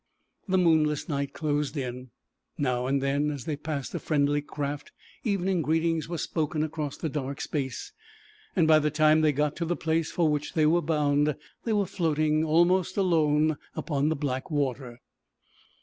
The moonless night closed in. Now and then, as they passed a friendly craft, evening greetings were spoken across the dark space. By the time they got to the place for which they were bound they were floating almost alone upon the black water.